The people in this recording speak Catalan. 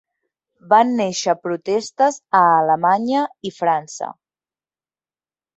Van néixer protestes a Alemanya i França.